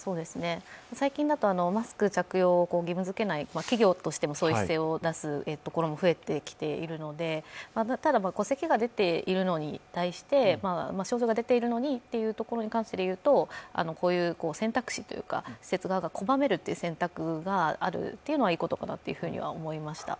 最近だとマスク着用を義務付けない、企業としてもそういう姿勢を出すところも増えてきているので、ただせきが出ているのに対して、症状が出ていることに関して言うとこういう選択肢というか、施設側が拒めるっていう選択があるっていうことはいいことかなと思いました。